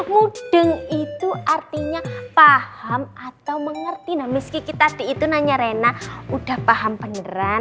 mudeng itu artinya paham atau mengerti namun meski kita di itu nanya reyna udah paham beneran